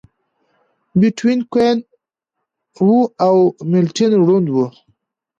بيتووين کوڼ و او ملټن ړوند و.